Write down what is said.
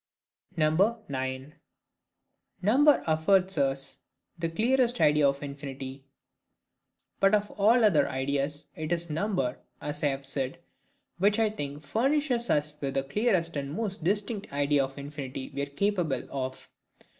9. Number affords us the clearest Idea of Infinity. But of all other ideas, it is number, as I have said, which I think furnishes us with the clearest and most distinct idea of infinity we are capable of.